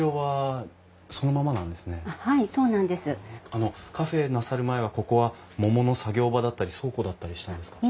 あのカフェなさる前はここは桃の作業場だったり倉庫だったりしたんですか？